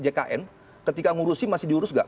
jkn ketika ngurusi masih diurus nggak